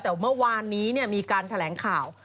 แต่เมื่อวานนี้มีการแถลงข่าว